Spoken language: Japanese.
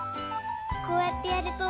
こうやってやると。